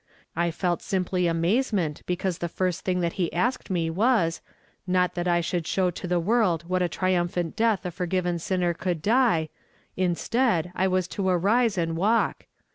I felt simply amazement because the first thing that he asked me was, not that I should show to the world what a triumphant death a forgiven sinner could die, instead, I was to arise and walk